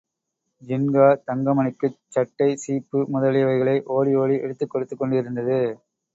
ஜின்கா தங்கமணிக்குச் சட்டை, சீப்பு முதலியவைகளை ஓடிஓடி எடுத்துக் கொடுத்துக்கொண்டிருந்தது.